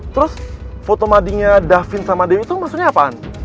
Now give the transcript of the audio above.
terus foto madingnya davin sama dewi itu maksudnya apaan